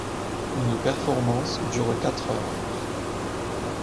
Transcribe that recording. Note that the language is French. Une performance dure quatre heures.